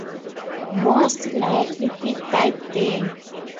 Most likely he died there.